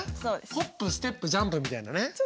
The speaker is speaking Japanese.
ホップステップジャンプみたいなね。